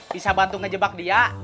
bisa bantu ngejebak dia